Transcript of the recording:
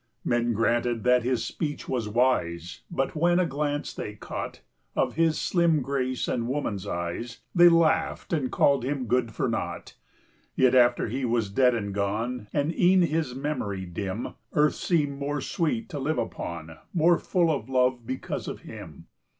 Men granted that his speech was wise, But, when a glance they caught Of his slim grace and woman's eyes, 35 They laughed, and called him good for naught. Yet after he was dead and gone, And e'en his memory dim, Earth seemed more sweet to live upon, More full of love, because of him.